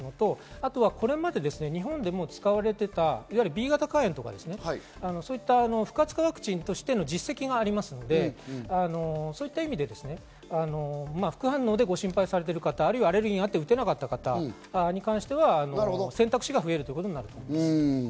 あとは、これまで日本でも使われていたＢ型肝炎とか、そういう不活化ワクチンとしての実績がありますので、そういう意味で副反応でご心配されてる方、アレルギーがあって打てなかった方に関しては選択肢が増えるということです。